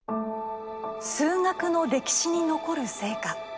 「数学の歴史に残る成果。